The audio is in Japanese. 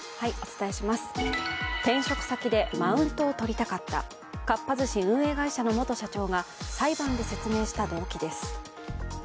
転職先でマウントをとりたかった、かっぱ寿司運営会社の元社長が裁判で説明した動機です。